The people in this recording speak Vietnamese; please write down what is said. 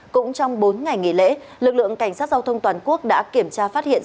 cũng trong bốn ngày nghỉ lễ lực lượng cảnh sát giao thông toàn quốc đã kiểm tra phát hiện